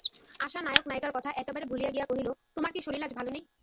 আশা নায়ক-নায়িকার কথা একেবারে ভুলিয়া গিয়া কহিল, তোমার কী শরীর আজ ভালো নাই।